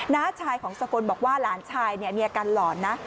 ้าชายของสกลบอกว่าหลานชายมีอาการหลอนนะ